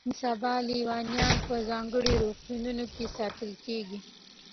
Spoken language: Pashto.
نن سبا لیونیان په ځانګړو روغتونونو کې ساتل کیږي.